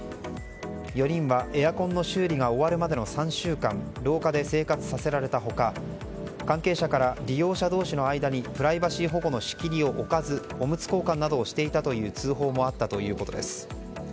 ４人はエアコンの修理が終わるまでの３週間廊下で生活させられた他関係者から利用者同士の間にプライバシー保護の仕切りを置かずおむつ交換などをしていたという通報もあったということです。